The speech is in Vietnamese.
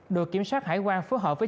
đội kiểm soát hải quan phối hợp với